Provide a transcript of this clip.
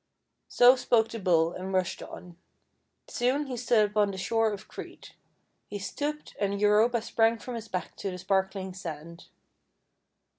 So spoke the Bull and rushed on. Soon he stood upon the shore of Crete. He stooped, and Europa sprang from his back to the sparkling sand.